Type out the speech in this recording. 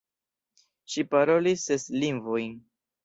Ŝi parolis ses lingvojn.